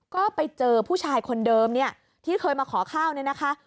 ก็ไปเจอผู้ชายคนเดิมเนี่ยที่เคยมาขอข้าวเนี่ยนะคะ